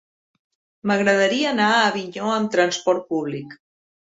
M'agradaria anar a Avinyó amb trasport públic.